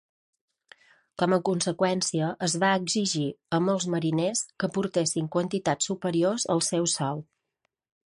Com a conseqüència, es va exigir a molts mariners que aportessin quantitats superiors al seu sou.